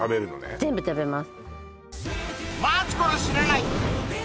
全部食べます